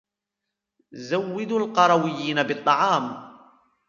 زودوا القرويين بالطعام.